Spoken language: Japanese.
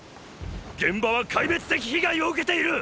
現場は壊滅的被害を受けている！！